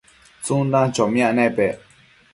tsundan chomiac nepec